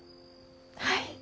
はい。